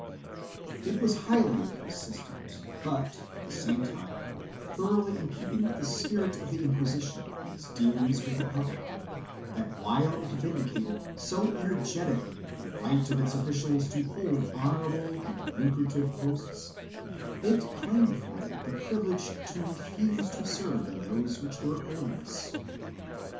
It was highly inconsistent but, at the same time, thoroughly in keeping with the spirit of the Inquisition in its dealings with the public, that while it vindicated so energetically the right of its officials to hold honorable and lucrative posts, it claimed for them the privilege to refuse to serve in those which were onerous.